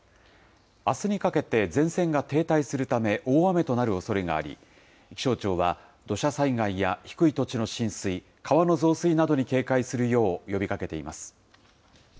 あすにかけて前線が停滞するため、大雨となるおそれがあり、気象庁は、土砂災害や低い土地の浸水、川の増水などに警戒するよう呼びかけています。